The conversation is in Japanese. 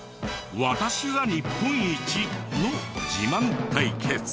私が日本一！？の自慢対決。